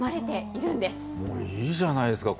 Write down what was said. いいじゃないですか。